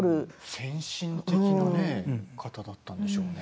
先進的な方だったんでしょうね。